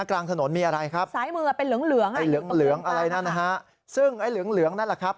ทางถนนมีอะไรครับไหนลืองอะไรนะฮะซึ่งไอ้เหลืองนั่นล่ะครับ